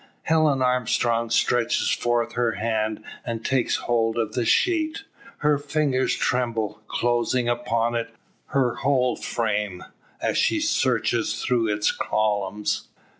Helen Armstrong stretches forth her hand, and takes hold of the sheet. Her fingers tremble, closing upon it; her whole frame, as she searches through its columns.